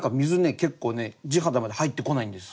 結構地肌まで入ってこないんです。